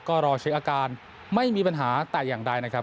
ก็รอเช็คอาการไม่มีปัญหาแต่อย่างใดนะครับ